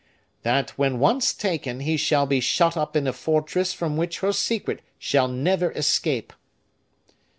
"That when once taken, he shall be shut up in a fortress from which her secret shall never escape."